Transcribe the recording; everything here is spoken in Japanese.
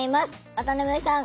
渡辺さん